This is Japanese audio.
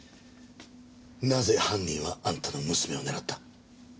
なぜ犯人はあんたの娘を狙った？